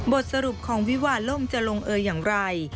บทสรุปของวิวาล่มจะลงเอยอย่างไร